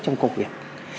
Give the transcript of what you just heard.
trong công việc